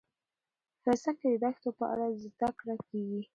افغانستان کې د دښتو په اړه زده کړه کېږي.